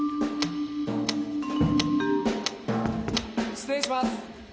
失礼します！